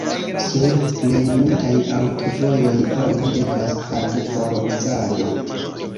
Sur plej multaj aŭtovojoj oni devas pagi por uzado.